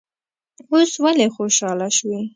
اوس ولې خوشاله شوې.